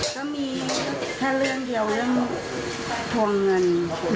ก็มีแค่เรื่องเดียวเรื่องทวงเงิน